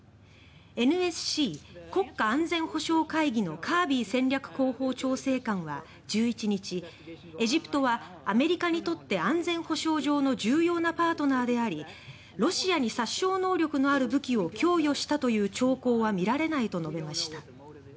ＮＳＣ・国家安全保障会議のカービー戦略広報調整官は１１日エジプトはアメリカにとって安全保障上の重要なパートナーでありロシアに殺傷能力のある武器を供与したという兆候は見られないと述べました。